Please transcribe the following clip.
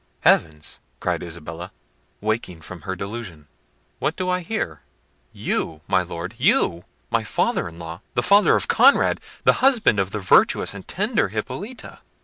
"Heavens!" cried Isabella, waking from her delusion, "what do I hear? You! my Lord! You! My father in law! the father of Conrad! the husband of the virtuous and tender Hippolita!"